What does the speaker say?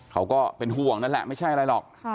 เขาก็เป็นห่วงนั่นแหละไม่ใช่อะไรหรอก